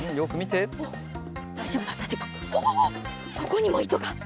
ここにもいとが！